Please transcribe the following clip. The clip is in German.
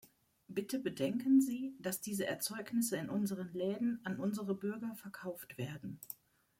Bitte bedenken Sie, dass diese Erzeugnisse in unseren Läden an unsere Bürger verkauft werden.